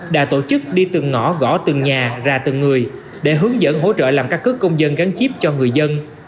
đã tổ chức đi từng ngõ gõ từng nhà ra từng người để hướng dẫn hỗ trợ làm căn cứ công dân gắn chip cho người dân